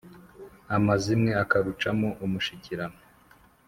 Amazimwe akarucamo umushikirano